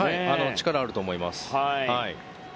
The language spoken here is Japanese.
力あると思います。